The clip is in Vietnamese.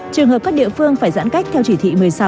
trường hợp các địa phương phải giãn cách theo chỉ thị một mươi sáu